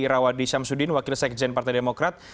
irawadi syamsuddin wakil sekjen partai demokrat